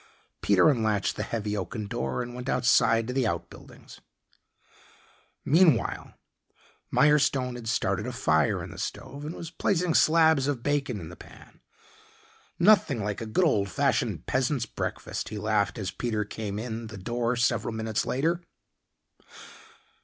Peter unlatched the heavy oaken door and went outside to the outbuildings. Meanwhile, Mirestone had started a fire in the stove and was placing slabs of bacon in the pan. "Nothing like a good old fashioned peasant's breakfast," he laughed as Peter came in the door several minutes later.